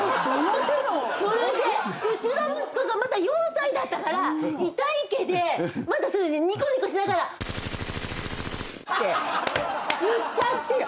それでうちの息子がまだ４歳だったからいたいけでまたそれでニコニコしながらって言っちゃってて。